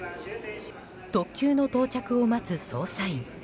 特急の到着を待つ捜査員。